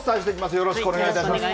よろしくお願いします。